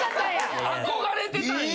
憧れてたんや！